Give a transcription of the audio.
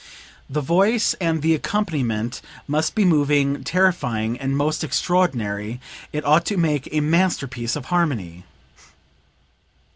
The voice and the accompaniment must be moving, terrifying and most extraordinary; it ought to make a masterpiece of harmony.")